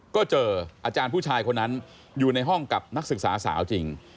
ก็เจออาจารย์ผู้ชายคนนั้นอยู่ในห้องกับนักศึกษาสาวจริง